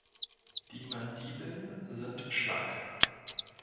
Die Mandibeln sind schlank.